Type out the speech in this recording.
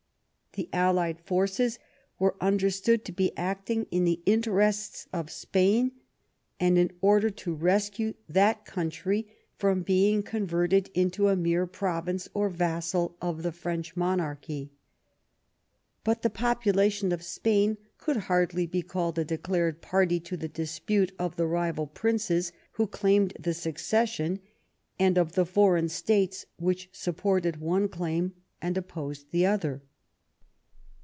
The allied forces were understood to be acting in the interests of Spain, and in order to rescue that coun 122 PETERBOROUGH IN SPAIN try from being converted into a mere province or vassal of the French monarchy. But the population of Spain could hardly be called a declared party to the dispute of the rival princes who claimed the succession, and of the foreign states which supported one claim and opposed the other.